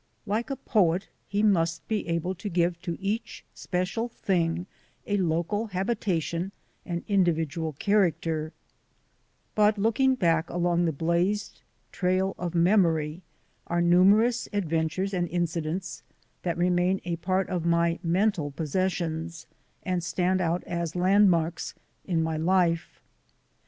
Like a poet he must be able to give to each special thing a local habitation and individual character. 159 i 4 o THE ADVENTURES OF A NATURE GUIDE But looking back along the blazed trail of mem ory are numerous adventures and incidents that remain a part of my mental possessions and stand out as landmarks in my life.